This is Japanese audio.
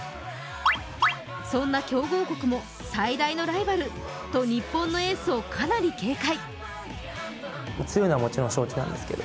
そんな強豪国も最大のライバルと日本のエースをかなり警戒。